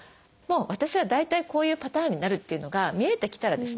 私は大体こういうパターンになるっていうのが見えてきたらですね